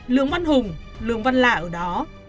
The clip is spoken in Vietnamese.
lương văn hùng lương văn lạ ở đó